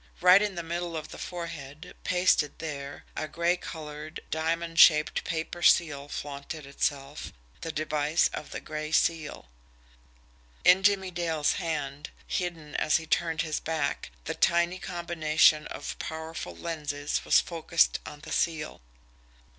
Right in the middle of the forehead, pasted there, a gray colored, diamond shaped paper seal flaunted itself the device of the Gray Seal. In Jimmie Dale' hand, hidden as he turned his back, the tiny combination of powerful lenses was focused on the seal.